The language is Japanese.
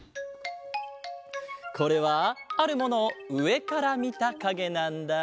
これはあるものをうえからみたかげなんだ。